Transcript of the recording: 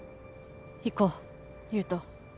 行こう優斗。